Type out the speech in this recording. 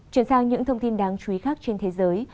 chuyển sang những thông tin đáng chú ý khác trên thế giới